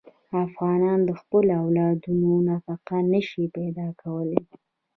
افغانان د خپلو اولادونو نفقه نه شي پیدا کولی.